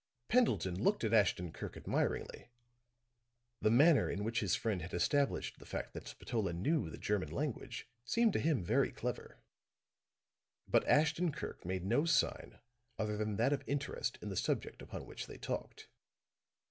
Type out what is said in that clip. Pendleton looked at Ashton Kirk admiringly; the manner in which his friend had established the fact that Spatola knew the German language seemed to him very clever. But Ashton Kirk made no sign other than that of interest in the subject upon which they talked.